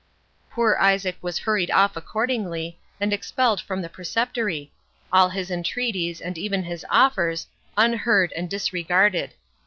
Poor Isaac was hurried off accordingly, and expelled from the preceptory; all his entreaties, and even his offers, unheard and disregarded.